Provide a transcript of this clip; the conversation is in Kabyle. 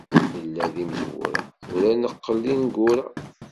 Nella d imezwura, tura neqqel d ineggura.